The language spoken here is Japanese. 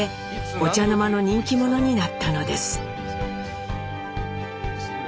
お茶の間の人気者になったのです。